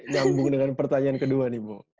ngambung dengan pertanyaan kedua nih bo